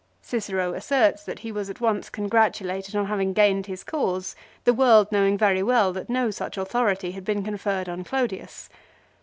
Cicero asserts that he was at once congratulated on having gained his cause, the world knowing very well that no such authority had been conferred on Clodius.